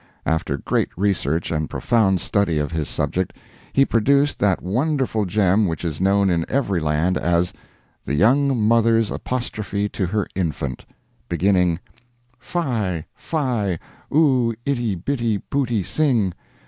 After great research and profound study of his subject, he produced that wonderful gem which is known in every land as "The Young Mother's Apostrophe to Her Infant," beginning: "Fie! fie! oo itty bitty pooty sing!